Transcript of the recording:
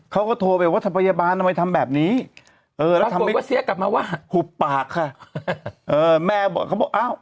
เขาก็โทรไปว่าถ้าพยาบาลทำไมทำแบบนี้แล้วบอกว่าเสียกลับมาว่าหุบปากค่ะ